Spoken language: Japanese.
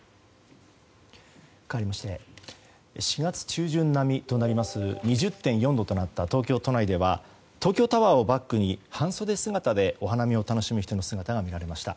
かわりまして４月中旬並みとなります２０．４度となった東京都内では東京タワーをバックに半袖姿でお花見を楽しむ人の姿が見られました。